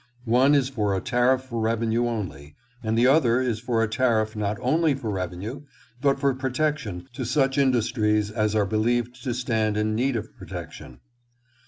One is for a tariff for revenue only, and the other is for a tariff not only for revenue, but for protection to such industries as are believed to stand in need of protection.